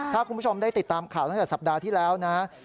ถ้าคุณผู้ชมได้ติดตามข่าวตั้งแต่สัปดาห์ที่แล้วนะ